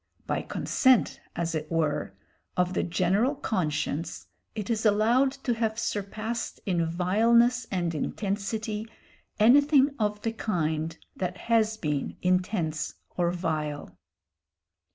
By consent, as it were, of the general conscience it is allowed to have surpassed in vileness and intensity anything of the kind that has been intense or vile.